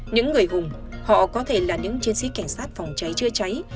những người hùng họ có thể là những chiến sĩ cảnh sát phòng cháy chữa cháy